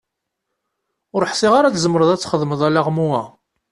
Ur ḥsiɣ ara ad tzemreḍ ad d-txedmeḍ alaɣmu-a.